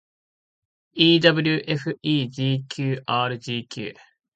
ewfegqrgq